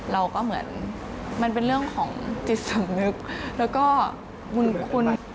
เราก็เหมือนมันเป็นเรื่องของจิตสำนึกแล้วก็บุญคุณ